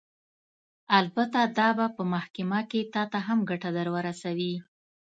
البته دا به په محکمه کښې تا ته هم ګټه درورسوي.